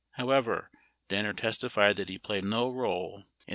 However, Danner testified that he played no role in the